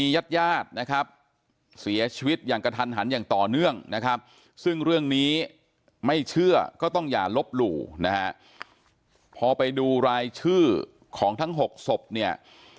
ลบหลู่นะฮะพอไปดูรายชื่อของทั้ง๖ศพเนี่ย